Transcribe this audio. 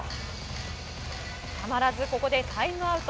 たまらずここでタイムアウト。